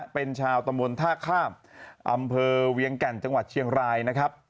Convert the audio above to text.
เป็นชาวตำบลท่าข้ามอำเภอเวียงแก่นจังหวัดเชียงรายนะครับ